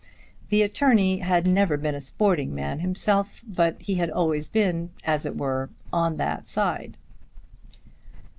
The attorney had never been a sporting man himself, but he had always been, as it were, on that side.